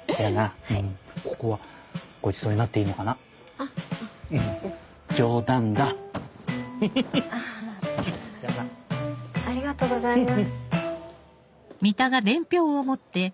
ありがとうございます。